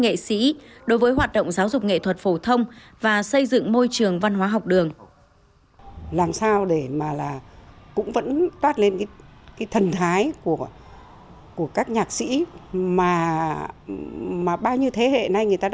nghệ sĩ đối với hoạt động giáo dục nghệ thuật phổ thông và xây dựng môi trường văn hóa học đường